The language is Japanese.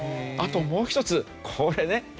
あともう一つこれね。